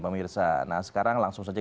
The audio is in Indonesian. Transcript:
pemirsa nah sekarang langsung saja